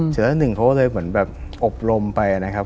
แต่ละหนึ่งเขาเลยเหมือนแบบอบลมไปนะครับ